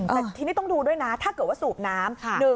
แต่ทีนี้ต้องดูด้วยนะถ้าเกิดว่าสูบน้ำ